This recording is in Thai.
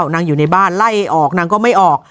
นางอยู่ในบ้านไล่ออกนางก็ไม่ออก